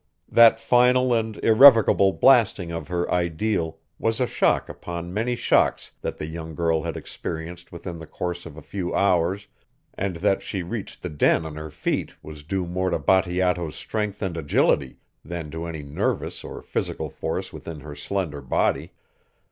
That final and irrevocable blasting of her ideal was a shock upon many shocks that the young girl had experienced within the course of a few hours and that she reached the den on her feet was due more to Bateato's strength and agility than to any nervous or physical force within her slender body.